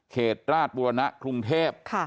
เหตุราชบุรณะกรุงเทพ